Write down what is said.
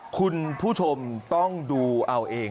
คุณผู้ชมต้องดูเอาเอง